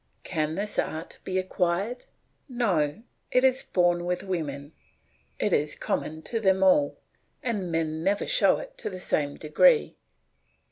Can this art be acquired? No; it is born with women; it is common to them all, and men never show it to the same degree.